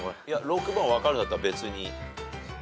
６番分かるんだったら別に。